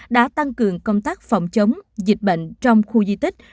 đã tăng cường công tác phòng chống dịch bệnh trong khu di tích